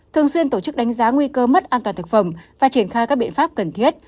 thường xuyên tổ chức đánh giá nguy cơ mất an toàn thực phẩm và triển khai các biện pháp cần thiết